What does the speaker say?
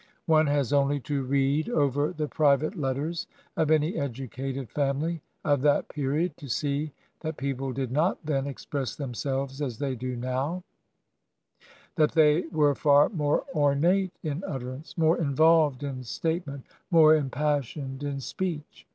... One has only to read over the private letters of any educated family of that period to see that people did not then express themselves as they now do; that they were far more ornate in utter ance, more involved in statement, more impassioned in speech."